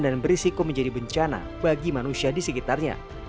dan berisiko menjadi bencana bagi manusia di sekitarnya